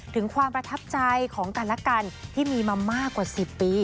ถึงความประทับใจของกันและกันที่มีมามากกว่า๑๐ปี